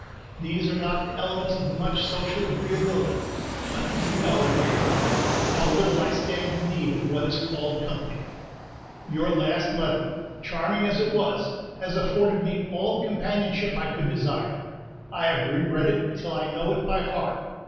These are not the elements of much social agreeability; but you know, dear friend, how little I stand in need of what is called company. Your last letter, charming as it was, has afforded me all the companionship I could desire. I have re read it till I know it by heart.